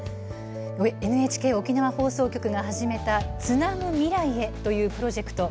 ＮＨＫ沖縄放送局が始めた「つなぐ未来へ」というプロジェクト。